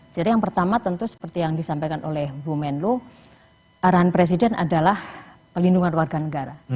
jadi yang pertama tentu seperti yang disampaikan oleh bu menlu arahan presiden adalah pelindungan warga negara